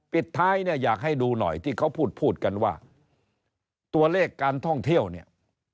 ปิดท้ายเนี่ยอยากให้ดูหน่อยที่เขาพูดพูดกันว่าตัวเลขการท่องเที่ยวเนี่ย